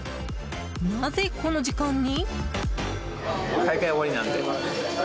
なぜこの時間に？